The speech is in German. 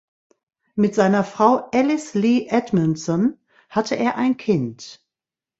Mit seiner Frau Alice Lee Edmondson hatte er ein Kind.